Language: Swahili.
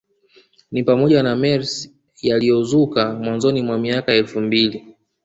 Ni pamoja na mers yaliyozuka mwanzoni mwa miaka ya elfu mbili